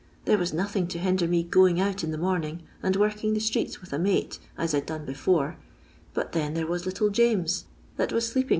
Theie was nothing to hinder me going nut in the morn ing, and working the streets with a mate, as I 'd done before, but then there was little James that LONDON LABOUR AND THE LONDON POOR.